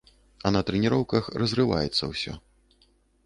А на трэніроўках разрываецца ўсё.